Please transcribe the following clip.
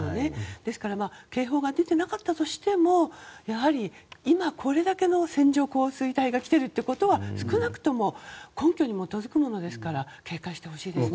ですから警報が出ていなかったとしてもやはり今これだけの線状降水帯が来ているということは少なくとも根拠に基づくものですから警戒してほしいですね。